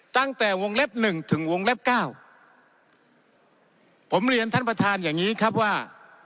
ตั้งแต่วงเล็บหนึ่งถึงวงเล็บเก้าผมเรียนท่านประธานอย่างงี้ครับว่า